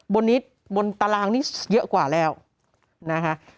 บนนี้บนตารางนี่เยอะกว่าแล้วนะคะ